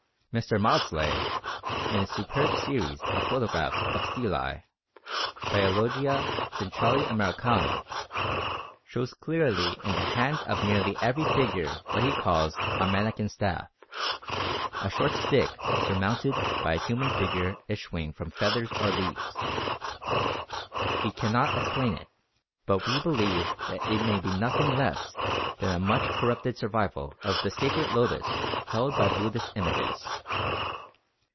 Mr. Maudslay, in his superb series of photographs of stelae (Biologia Centrali Americana), shows clearly in the hands of nearly every figure what he calls a "manikin staff" a short stick surmounted by a human figure issuing from feathers or leaves. He cannot explain it, but we believe that it may be nothing less than a much corrupted survival of the sacred lotus held by Buddhist images.